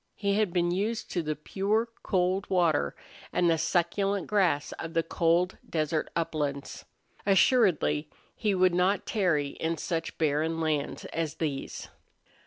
He had been used to the pure, cold water and the succulent grass of the cold desert uplands. Assuredly he would not tarry in such barren lands as these.